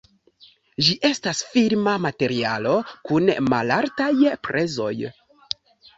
Ĝi estas firma materialo kun malaltaj prezoj.